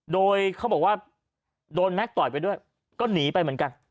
โดยเขาบอกว่าโดนแม็กซ์ต่อยไปด้วยก็หนีไปเหมือนกัน